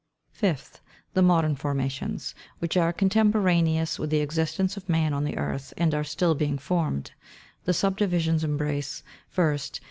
8. Fifth. The modern formations, which are contemporaneous with the existence of man on the earth, ;md are still being formed. The subdivisions embrace : 1st.